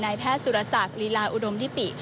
แพทย์สุรศักดิ์ลีลาอุดมลิปิ